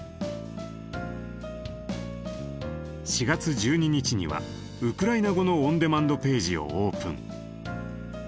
４月１２日にはウクライナ語のオンデマンドページをオープン。